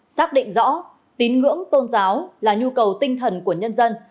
xác định rõ tín ngưỡng tôn giáo là nhu cầu tinh thần của nhân dân